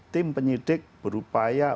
tim penyidik berupaya